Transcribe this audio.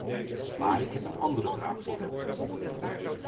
Maar ik heb een andere vraag voor hem.